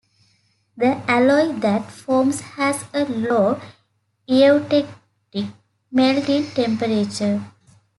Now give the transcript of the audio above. The alloy that forms has a low eutectic melting temperature.